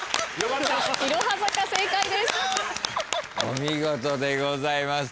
お見事でございます。